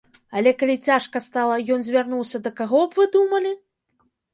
Але калі цяжка стала, ён звярнуўся да каго б вы думалі?